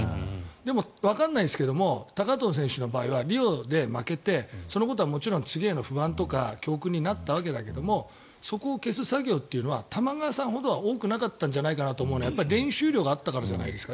でも、わからないですけど高藤選手の場合はリオで負けてそのことは次への不安とか教訓になったわけだけれどもそこを消す作業というのは玉川さんほどは多くなかったんじゃないかなと思うのは練習量があったからじゃないですか。